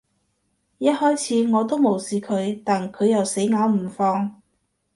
一開始，我都無視佢，但佢又死咬唔放